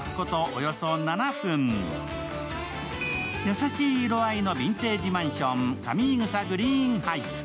優しい色合いのビンテージマンション、上井草グリーンハイツ。